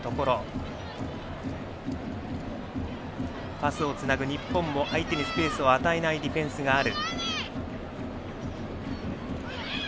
パスをつなぐ相手に日本もパスを与えないディフェンスがある。